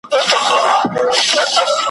خپل نصیب وي غلامۍ لره روزلي ,